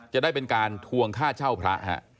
จะได้เป็นการทวงค่าเช่าพระ